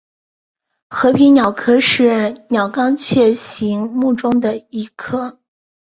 和平鸟科是鸟纲雀形目中的一个科。